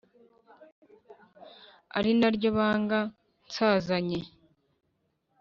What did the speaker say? Ari naryo banga nsazanye